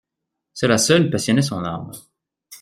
Cela seul passionnait son âme.